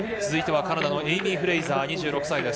続いてはカナダのエイミー・フレイザー、２６歳。